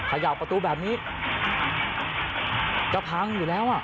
เขย่าประตูแบบนี้ก็พังอยู่แล้วอ่ะ